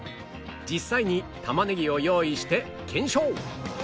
実際に玉ねぎを用意して検証